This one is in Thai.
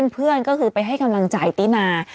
เพื่อนก็คือไปให้กำลังใจตินา